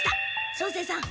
照星さん